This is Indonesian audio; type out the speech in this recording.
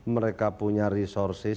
mereka punya resource